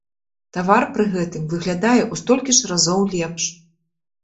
Тавар пры гэтым выглядае ў столькі ж разоў лепш.